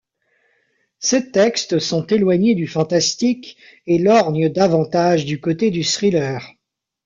Ces textes sont éloignés du fantastique et lorgnent davantage du côté du thriller.